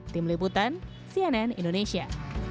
tim liputan cnn indonesia